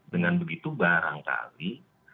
dengan begitu barangkali